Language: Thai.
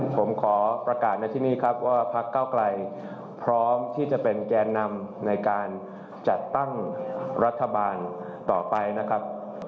ผมขอประกาศในที่นี่ครับว่าพักเก้าไกลพร้อมที่จะเป็นแกนนำในการจัดตั้งรัฐบาลต่อไปนะครับ